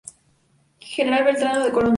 General Belgrano de Coronda.